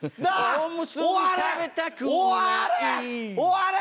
終われ！